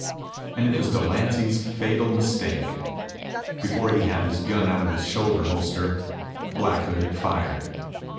And it was Delancy's fatal mistake. Before he had his gun out of his shoulder holster, Black Hood had fired.